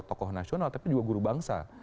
tokoh nasional tapi juga guru bangsa